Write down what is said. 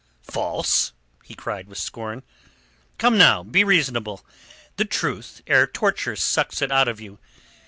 "False?" he cried with scorn. "Come, now, be reasonable. The truth, ere torture sucks it out of you.